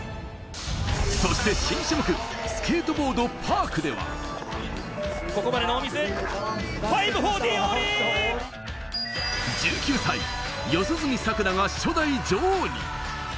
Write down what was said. そして新種目、スケートボード・パークでは、１９歳、四十住さくらが初代女王に。